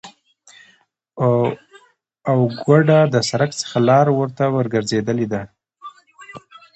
او گوډه د سرک څخه لار ورته ورگرځیدلې ده،